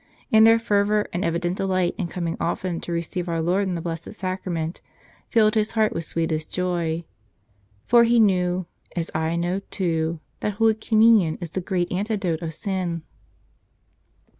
And their fervor and evident de¬ light in coming often to receive our Lord in the Blessed Sacrament filled his heart with sweetest joy. For he knew, as I know, too, that Holy Communion is the great antidote of sin.